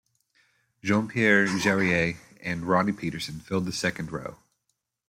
Jean-Pierre Jarier and Ronnie Peterson filled the second row.